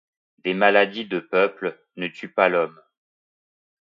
Des maladies de peuple ne tuent pas l’homme.